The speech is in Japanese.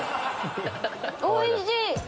おいしい！